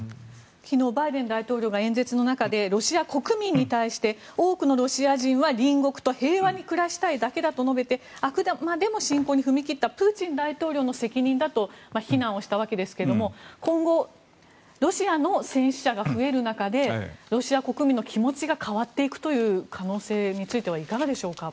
昨日バイデン大統領が演説の中でロシア国民に対して多くのロシア人は隣国と平和に暮らしたいだけだと述べてあくまでも侵攻に踏み切ったプーチン大統領の責任だと非難をしたわけですが今後ロシアの戦死者が増える中でロシア国民の気持ちが変わっていくという可能性についてはいかがでしょうか。